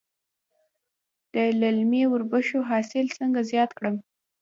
د للمي وربشو حاصل څنګه زیات کړم؟